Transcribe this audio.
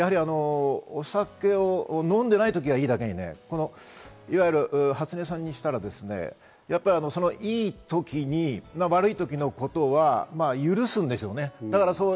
お酒を飲んでいない時はいいだけに、初音さんにしたら、いい時に悪いときのことは許すんでしょうね。